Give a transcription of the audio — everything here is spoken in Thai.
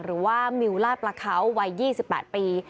หรือว่ามิวลาดประเขาวัย๒๘ปี